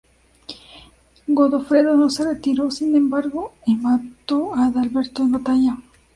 Godofredo no se retiró, sin embargo, y mató a Adalberto en batalla.